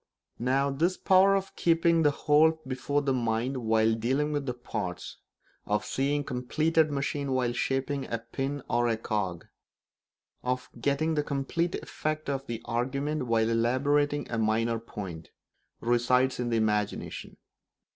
Now, this power of keeping the whole before the mind while dealing with the parts, of seeing the completed machine while shaping a pin or a cog, of getting the complete effect of the argument while elaborating a minor point, resides in the imagination.